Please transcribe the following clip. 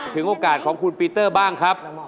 ถึงโอกาสของคุณปีเตอร์บ้างครับ